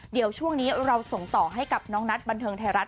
เดี๋ยวช่วงนี้เราส่งต่อให้กับน้องนัทบันเทิงไทยรัฐ